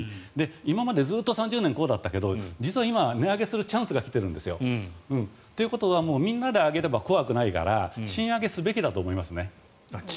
今までずっと３０年こうだったけど実は今、値上げするチャンスが来てるんですよ。ということはみんなで上げれば怖くないから賃上げすべきだと思います。